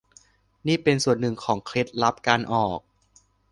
นี่เป็นส่วนหนึ่งของเคล็ดลับการออก